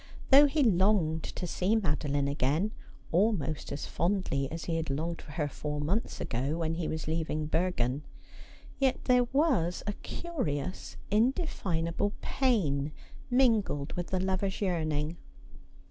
Though he longed to see Madeline again, almost as fondly as he had longed for her four months ago when he was leaving Bergen, yet there was a curious indefinable pain mingled with the lover's yearning.